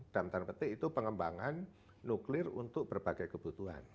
dan yang penting itu pengembangan nuklir untuk berbagai kebutuhan